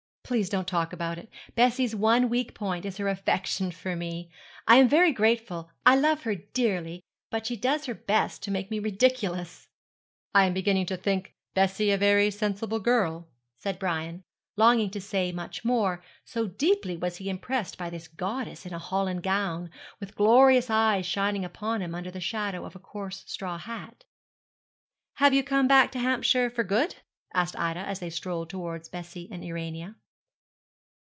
'Please don't talk about it. Bessie's one weak point is her affection for me. I am very grateful. I love her dearly, but she does her best to make me ridiculous.' 'I am beginning to think Bessie a very sensible girl,' said Brian, longing to say much more, so deeply was he impressed by this goddess in a holland gown, with glorious eyes shining upon him under the shadow of a coarse straw hat. 'Have you come back to Hampshire for good?' asked Ida, as they strolled towards Bessie and Urania.